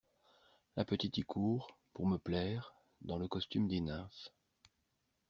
La petite y court, pour me plaire, dans le costume des nymphes.